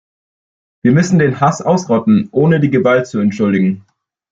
Wir müssen den Hass ausrotten, ohne die Gewalt zu entschuldigen.